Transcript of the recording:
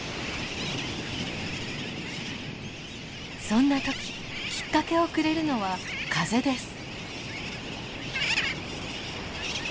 そんな時きっかけをくれるのは風です。